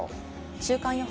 週間予報